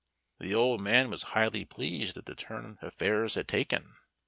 The old man was highly pleased at the turn affairs had taken.